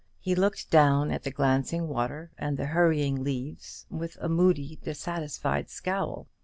He looked down at the glancing water and the hurrying leaves with a moody dissatisfied scowl.